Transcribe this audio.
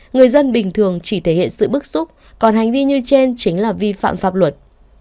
người dân bình thường chỉ thể hiện sự bức xúc còn hành vi như trên chính là vi phạm pháp luật